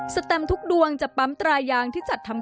แตมทุกดวงจะปั๊มตรายางที่จัดทำ